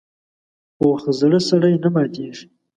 پوخ زړه سړي نه ماتېږي